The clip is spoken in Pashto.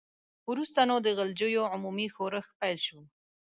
وروسته نو د غلجیو عمومي ښورښ پیل شو.